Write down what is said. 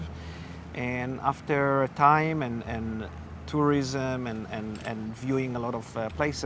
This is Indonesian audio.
setelah waktu turisme dan melihat banyak tempat